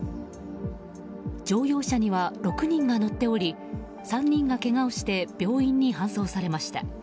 乗用車には６人が乗っており３人が、けがをして病院に搬送されました。